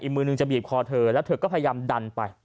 มือหนึ่งจะบีบคอเธอแล้วเธอก็พยายามดันไป